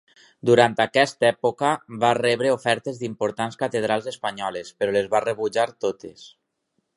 Durant aquesta època, va rebre ofertes d'importants catedrals espanyoles, però les va rebutjar totes.